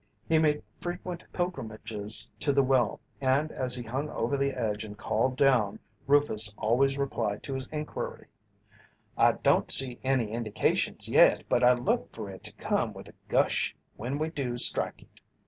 He made frequent pilgrimages to the well, and as he hung over the edge and called down, Rufus always replied to his inquiry: "I don't see any indications yet but I look for it to come with a gush when we do strike it."